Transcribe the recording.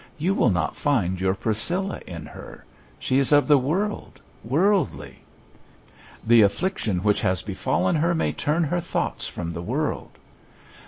You will not find your Priscilla in her. She is of the world, worldly.' 'The affliction which has befallen her may turn her thoughts from the world.'